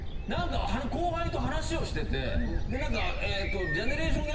後輩と話をしてて。